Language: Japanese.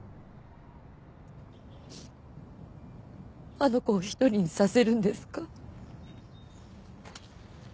あの子を一人にさせるんですか？